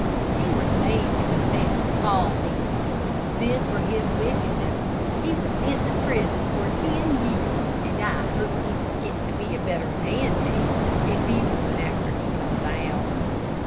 He was made to confess all this. Then for his wickedness he was sent to prison for ten years, and I hope he will get to be a better man there, and be one after he comes out.